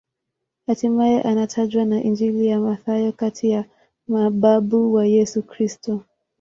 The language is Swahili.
Hatimaye anatajwa na Injili ya Mathayo kati ya mababu wa Yesu Kristo.